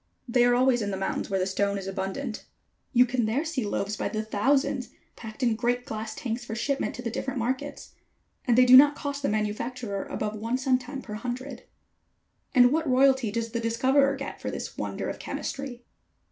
They are always in the mountains where the stone is abundant. You can there see loaves by the thousands packed in great glass tanks for shipment to the different markets. And they do not cost the manufacturer above one centime per hundred." "And what royalty does the discoverer get for this wonder of chemistry?"